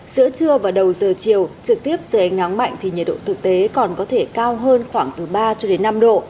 giữa trưa và đầu giờ chiều trực tiếp dưới ánh nắng mạnh thì nhiệt độ thực tế còn có thể cao hơn khoảng từ ba cho đến năm độ